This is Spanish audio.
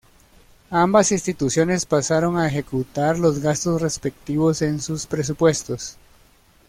Ambas instituciones pasaron a ejecutar los gastos respectivos en sus presupuestos.